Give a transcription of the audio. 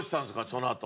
そのあと。